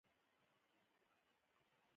دا څه رنګ دی؟